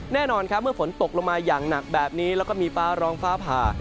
แน่นอนครับเมื่อฝนตกลงมาอย่างหนักแบบนี้แล้วก็มีฟ้าร้องฟ้าผ่า